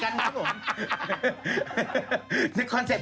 อ๋อคิดว่ากัดเลย